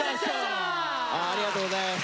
ありがとうございます。